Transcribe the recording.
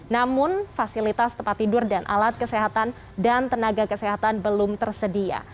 namun fasilitas tempat tidur dan alat kesehatan dan tenaga kesehatan belum tersedia